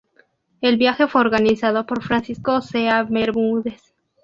El viaje fue organizado por Francisco Cea Bermúdez.